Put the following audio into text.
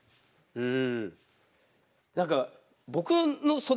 うん。